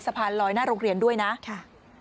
สะพานลอยหน้าโรงเรียนด้วยนะค่ะ